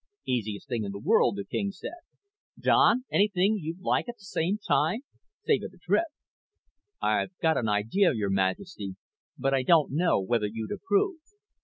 "Easiest thing in the world," the king said. "Don? Anything you'd like at the same time? Save it a trip." "I've got an idea, Your Majesty, but I don't know whether you'd approve.